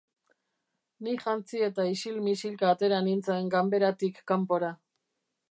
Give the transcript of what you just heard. Ni jantzi eta isil-misilka atera nintzen ganberatik kanpora.